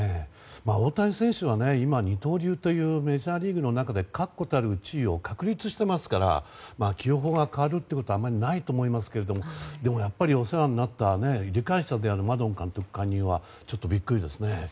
大谷選手は今、二刀流というメジャーリーグの中で確固たる地位を確立していますから起用法が変わるということはあまりないと思いますがでも、やっぱりお世話になった理解者であるマドン監督解任はちょっとびっくりですね。